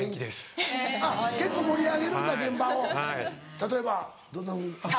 例えばどんなふうに？